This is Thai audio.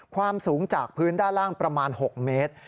ความสูงจากพื้นด้านล่างประมาณ๖เมตร